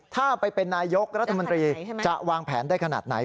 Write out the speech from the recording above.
ถ้าไปเป็นนายกรัฐมนตรีจะวางแผนได้ขนาดไหน